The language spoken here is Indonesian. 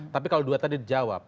tapi kalau dua tadi dijawab